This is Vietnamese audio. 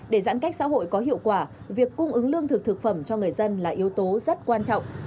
để giãn cách xã hội có hiệu quả việc cung ứng lương thực thực phẩm cho người dân là yếu tố rất quan trọng